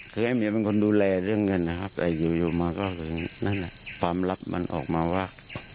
คือไอ้เมียเป็นคนดูแลเรื่องเงินนะครับแต่อยู่มาก็คือนั่นแหละความลับมันออกมาว่า